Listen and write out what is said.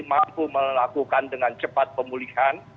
mampu melakukan dengan cepat pemulihan